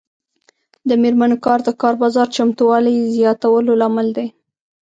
د میرمنو کار د کار بازار چمتووالي زیاتولو لامل دی.